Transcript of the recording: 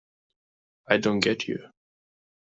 I don't get you.